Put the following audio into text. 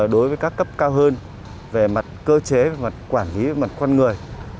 đối với các cấp cao hơn về mặt cơ chế quản lý mặt con người